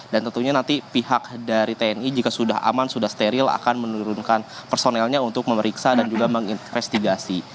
dan tentunya nanti pihak dari tni jika sudah aman sudah steril akan menurunkan personelnya untuk memeriksa dan juga menginvestigasi